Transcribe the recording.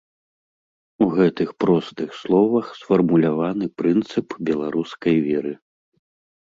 У гэтых простых словах сфармуляваны прынцып беларускай веры.